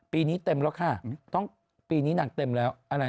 ปีนี้เต็มแล้วค่ะต้องปีนี้นางเต็มแล้วอะไร